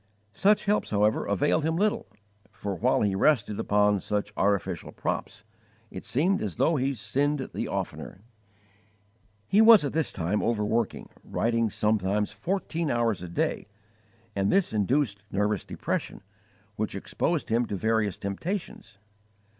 Such helps, however, availed him little, for while he rested upon such artificial props, it seemed as though he sinned the oftener. He was at this time overworking, writing sometimes fourteen hours a day, and this induced nervous depression, which exposed him to various temptations.